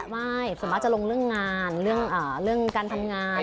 ไม่ส่วนมากจะลงเรื่องงานเรื่องการทำงาน